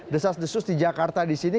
desas desus di jakarta di sini